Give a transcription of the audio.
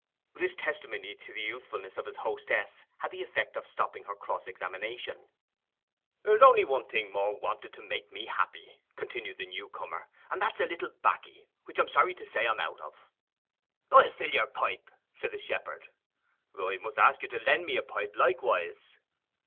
This testimony to the youthfulness of his hostess had the effect of stopping her cross examination. 'There is only one thing more wanted to make me happy,' continued the new comer. 'And that is a little baccy, which I am sorry to say I am out of.' 'I'll fill your pipe,' said the shepherd. 'I must ask you to lend me a pipe likewise.